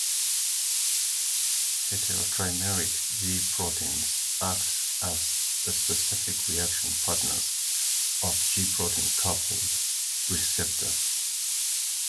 Heterotrimeric G proteins act as the specific reaction partners of G protein-coupled receptors.